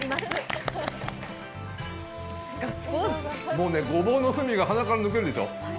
もうね、ごぼうの風味が鼻から抜けるでしょう。